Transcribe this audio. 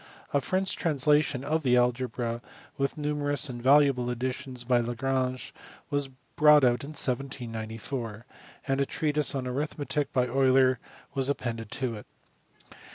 A. French translation of the algebra, with numerous and valuable additions by Jjagrange, was brought out in 1794; and a treatise on arithmetic by Euler was appended to it.